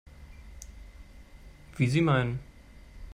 Wie Sie meinen.